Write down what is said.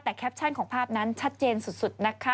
แต่แคปชั่นของภาพนั้นชัดเจนสุดนะคะ